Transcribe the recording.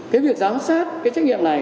cái việc giám sát trách nhiệm này